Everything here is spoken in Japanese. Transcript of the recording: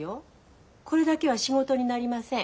これだけは仕事になりません。